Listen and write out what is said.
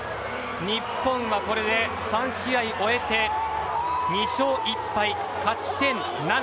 日本は、これで３試合終えて２勝１敗、勝ち点７。